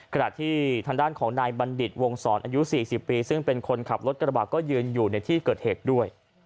ขณะที่ทางด้านของนายบัณฑิตวงศรอายุ๔๐ปีซึ่งเป็นคนขับรถกระบะก็ยืนอยู่ในที่เกิดเหตุด้วย